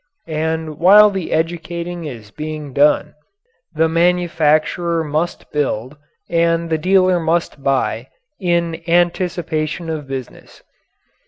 And while the educating is being done, the manufacturer must build, and the dealer must buy, in anticipation of business.